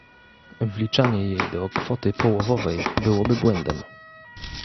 Wliczanie jej do kwoty połowowej byłoby błędem